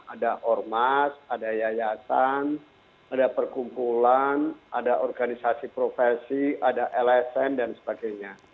ada ormas ada yayasan ada perkumpulan ada organisasi profesi ada lsm dan sebagainya